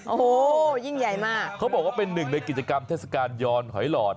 โอ้โหยิ่งใหญ่มากเขาบอกว่าเป็นหนึ่งในกิจกรรมเทศกาลยอนหอยหลอด